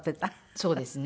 そうですね。